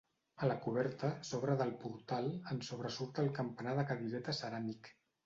A la coberta, sobre del portal, en sobresurt el campanar de cadireta ceràmic.